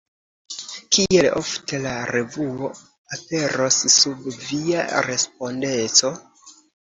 Kiel ofte la revuo aperos sub via respondeco?